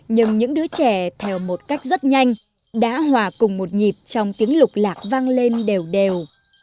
nhưng những đứa trẻ theo một cách rất nhanh đã hòa cùng một nhịp trong tiếng lục lạc vang lên đều đều đều